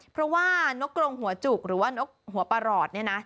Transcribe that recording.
เพราะว่านกกรงหัวจุกหรือว่านกหัวประหลอดเนี่ยนะ